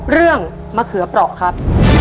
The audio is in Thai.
เรื่องมะเขือเปราะครับ